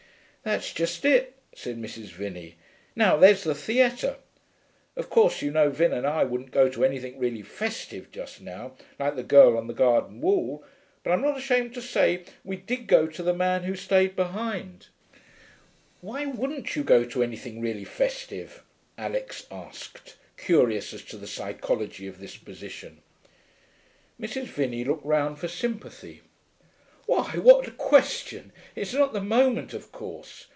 'That's just it,' said Mrs. Vinney. 'Now, there's the theatre. Of course, you know, Vin and I wouldn't go to anything really festive just now, like the Girl on the Garden Wall, but I'm not ashamed to say we did go to the Man Who Stayed Behind.' 'Why wouldn't you go to anything really festive?' Alix asked, curious as to the psychology of this position. Mrs. Vinney looked round for sympathy. 'Why, what a question! It's not the moment, of course.